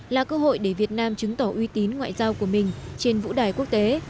là cơ hội để việt nam chứng tỏ uy tín ngoại giao của mình trên vũ đài quốc tế